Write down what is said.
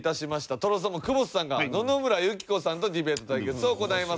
とろサーモン久保田さんが野々村友紀子さんとディベート対決を行います。